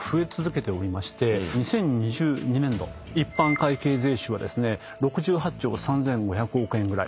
２０２２年度一般会計税収はですね６８兆３，５００億円ぐらい。